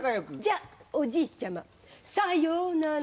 じゃっおじいちゃまさようなら。